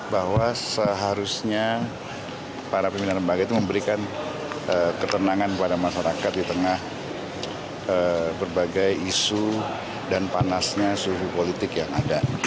berbagai isu dan panasnya suhu politik yang ada